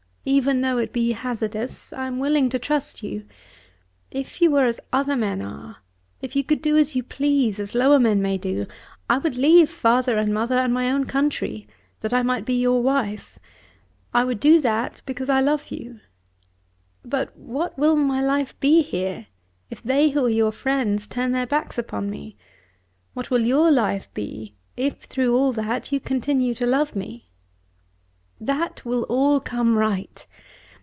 Even though it be hazardous, I am willing to trust you. If you were as other men are, if you could do as you please as lower men may do, I would leave father and mother and my own country, that I might be your wife. I would do that because I love you. But what will my life be here, if they who are your friends turn their backs upon me? What will your life be, if, through all that, you continue to love me?" "That will all come right."